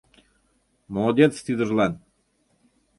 Молодец тидыжлан!